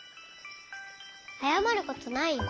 あやまることないよ。